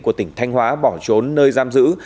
cô tỉnh thanh hóa bỏ trốn nơi giam giữ